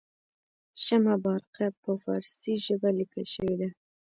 شمه بارقه په پارسي ژبه لیکل شوې ده.